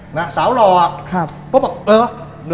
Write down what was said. หน้าสาวรออะพ่อบอกเหรอ